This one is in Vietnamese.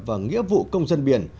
và nghĩa vụ công dân biển